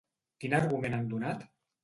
Quin argument han donat?